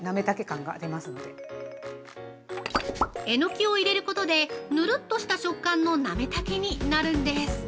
エノキを入れることでぬるっとした食感のなめたけになるんです。